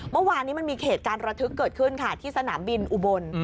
มันมีเหตุการณ์ระทึกเกิดขึ้นค่ะที่สนามบินอุบล